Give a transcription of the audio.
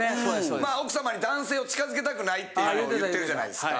まあ奥様に男性を近づけたくないっていうのを言ってるじゃないですか。